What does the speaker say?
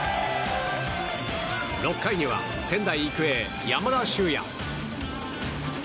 ６回には仙台育英、山田脩也。